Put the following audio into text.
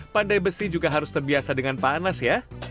pandai besi juga harus terbiasa dengan panas ya